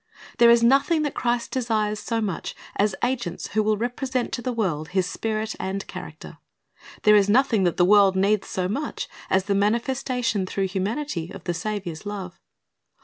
There is nothing that Christ desires so much as agents who will represent to the world His Spirit and character. There is nothing that the world needs so much as the manifestation through humanity of the Saviour's love.